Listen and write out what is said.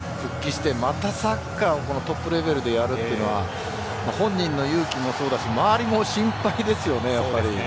本当、心肺停止から復帰して、またサッカーをトップレベルでやるというのは本人の勇気もそうだし周りも心配ですよね。